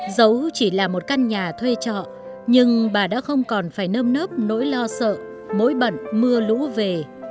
dấu chỉ là một căn nhà thuê trọ nhưng bà đã không còn phải nâm nớp nỗi lo sợ mối bận mưa lũ về